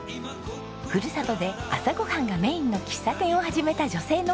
ふるさとで朝ご飯がメインの喫茶店を始めた女性のお話。